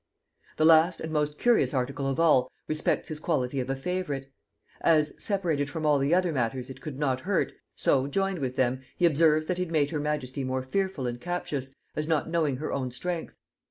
The last and most curious article of all, respects his quality of a favorite. As, separated from all the other matters it could not hurt, so, joined with them, he observes that it made her majesty more fearful and captious, as not knowing her own strength.